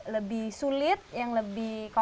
nah mereka bisa buat produk produk yang lebih sukses